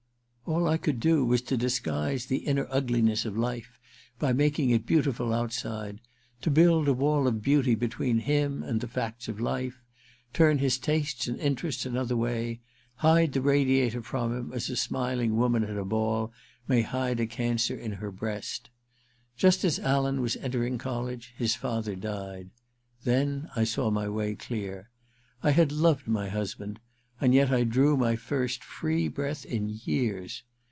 All I could do was to disguise the inner ugliness of life by making it beautiful outside — to build a wall of beauty between him and the facts of life, turn his tastes and interests another way, hide the Radiator from him as a smiling woman at a ball may hide a cancer in her breast ! Just as Alan was entering college his father died. Then I saw nly way clear. I had loved my husband — ^and yet I drew my first free breath in years.